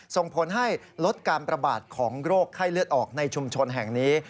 ส่งผลให้ลดการประบาดของโรคไข้เลือดออกในชุมชนแห่งนี้